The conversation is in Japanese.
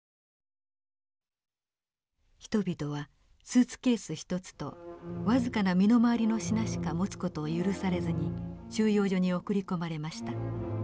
人々はスーツケース１つと僅かな身の回りの品しか持つ事を許されずに収容所に送り込まれました。